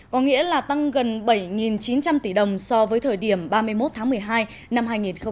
có nghĩa là tăng gần bảy chín trăm linh tỷ đồng so với thời điểm ba mươi một tháng một mươi hai năm hai nghìn một mươi chín